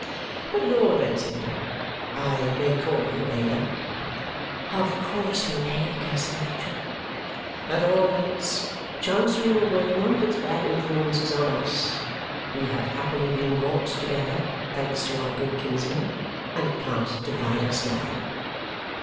But at all events, Ada I may call you Ada?" "Of course you may, cousin Richard." "At all events, Chancery will work none of its bad influences on US. We have happily been brought together, thanks to our good kinsman, and it can't divide us now!"